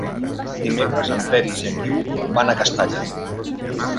Dimecres en Peris i en Guiu van a Castalla.